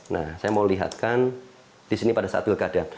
nah saya mau lihatkan di sini pada saat pilkada